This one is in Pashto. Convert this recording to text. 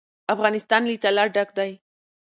افغانستان له طلا ډک دی.